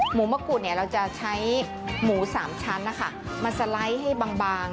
หมูมะกรูดเราจะใช้หมู๓ชั้นนะคะมาสไลด์ให้บาง